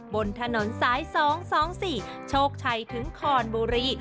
บนถนนสาย๒๒๔โชคชัยถึงคอนบุรี